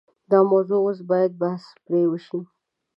دا موضوع اوس باید بحث پرې وشي.